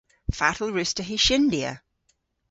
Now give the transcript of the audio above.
Fatel wruss'ta hy shyndya?